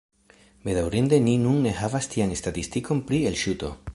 Bedaŭrinde ni nun ne havas tian statistikon pri elŝuto.